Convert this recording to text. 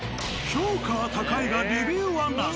評価は高いがレビューは謎。